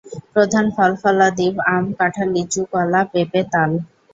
প্রধান ফল-ফলাদিব আম, কাঁঠাল, লিচু, কলা, পেঁপে, তাল।